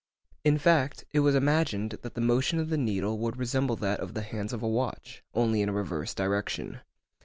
In fact, it was imagined that the motion of the needle would resemble that of the hands of a watch, only in a reversed direction.